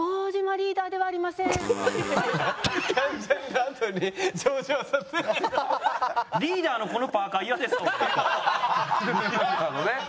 リーダーのあのね。